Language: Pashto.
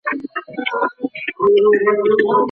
ایا د مخامخ زده کړي میتودونه د آنلاین زده کړي څخه توپیر لري؟